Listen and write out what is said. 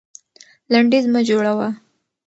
لنډيز مه جوړوه.